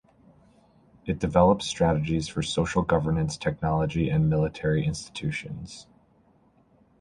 It develops strategies for social governance, technology, and military institutions.